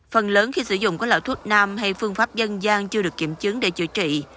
phần lớn khi sử dụng có loại thuốc nam hay phương pháp dân gian chưa được kiểm chứng để chữa trị